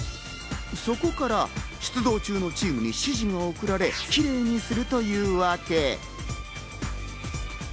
そこから出動中のチームに指示が送られ、キレイにするというわけ。